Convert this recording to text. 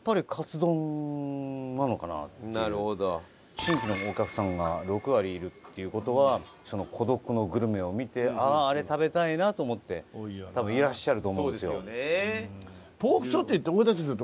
新規のお客さんが６割いるっていう事は『孤独のグルメ』を見て「あああれ食べたいな」と思って多分いらっしゃると思うんですよ。